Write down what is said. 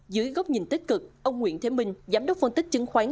dưới góc nhìn tích cực ông nguyễn thế minh giám đốc phân tích chứng khoán